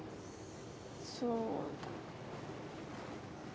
そうだね。